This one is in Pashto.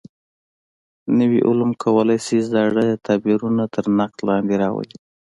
نوي علوم کولای شي زاړه تعبیرونه تر نقد لاندې راولي.